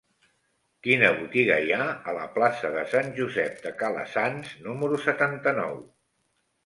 Quina botiga hi ha a la plaça de Sant Josep de Calassanç número setanta-nou?